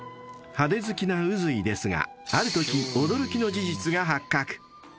［派手好きな宇髄ですがあるとき驚きの事実が発覚］